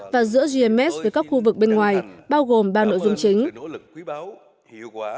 và giữa gms với các khu vực bên ngoài bao gồm ba nội dung chính